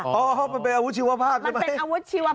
อ๋อมันเป็นอาวุธชีวภาพใช่ไหมมันเห็นโอ้โฮมันเป็นอาวุธชีวภาพ